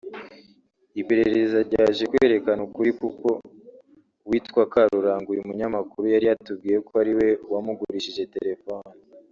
Iperereza ryaje kwerekana ukuri kuko uwitwa Karuranga uyu munyamakuru yari yatubwiye ko ariwe wamugurishije terefone